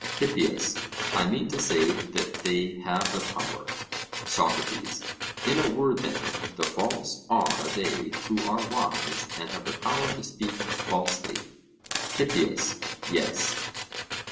HIPPIAS: I mean to say that they have the power. SOCRATES: In a word, then, the false are they who are wise and have the power to speak falsely? HIPPIAS: Yes.